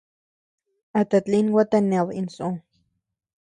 A tatlin gua taned insu.